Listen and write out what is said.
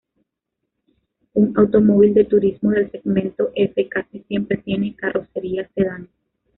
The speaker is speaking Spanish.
Un automóvil de turismo del segmento F casi siempre tiene carrocería sedán.